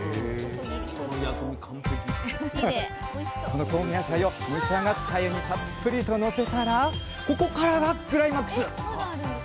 この香味野菜を蒸し上がったあゆにたっぷりとのせたらここからがクライマックス！